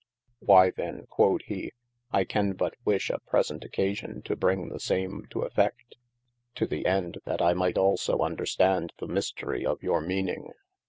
Why then (quod he) I can but wishe a present occasion to bring the same to effeft, to the end that I might also understand the mistery of your meaning.